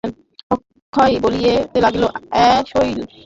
অক্ষয় বলিতে লাগিল, অ্যাঁ, শৈল!